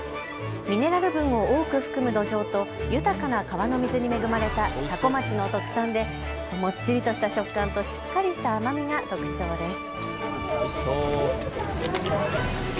ミネラル分を多く含む土壌と豊かな川の水に恵まれた多古町の特産でもっちりとした食感としっかりした甘みが特徴です。